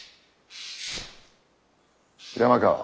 山川。